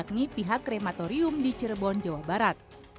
yang ketiga yakni pihak krematorium di cirebon jawa barat